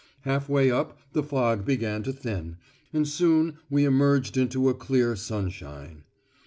Half way up the fog began to thin, and soon we emerged into a clear sunshine.